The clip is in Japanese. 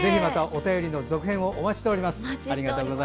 ぜひ、お便りの続編をお待ちしております。